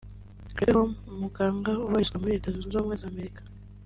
Gregg Home umuganga ubarizwa muri Leta Zunze Ubumwe za Amerika